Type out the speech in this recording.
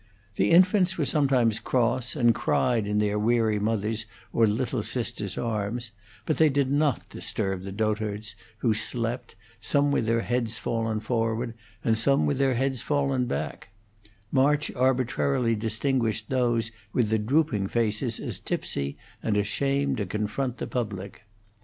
The infants were sometimes cross, and cried in their weary mothers' or little sisters' arms; but they did not disturb the dotards, who slept, some with their heads fallen forward, and some with their heads fallen back; March arbitrarily distinguished those with the drooping faces as tipsy and ashamed to confront the public.